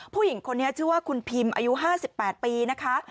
ผู้หญิงคนนี้ชื่อว่าคุณพิมอายุ๕๘ปีนะคะ